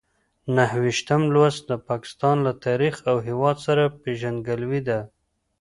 نهه ویشتم لوست د پاکستان له تاریخ او هېواد سره پېژندګلوي ده.